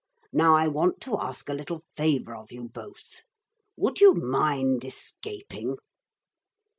Now I want to ask a little favour of you both. Would you mind escaping?'